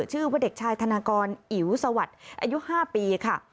ชื่อว่าเด็กชายธนากรอิ๋วสวัสดิ์อายุ๕ปีค่ะ